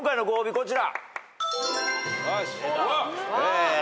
こちら。